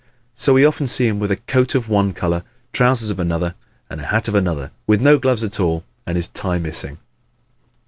So we often see him with a coat of one color, trousers of another and a hat of another, with no gloves at all and his tie missing.